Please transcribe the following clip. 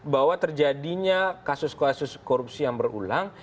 bahwa terjadinya kasus kasus korupsi yang berulang